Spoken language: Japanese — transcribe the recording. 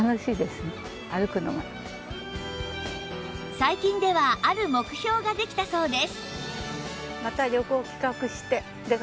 最近ではある目標ができたそうです